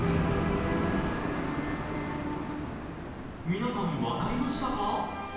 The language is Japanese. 皆さん、分かりましたか？